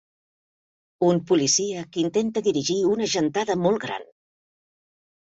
Un policia que intenta dirigir una gentada molt gran.